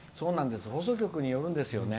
放送局によるんですよね。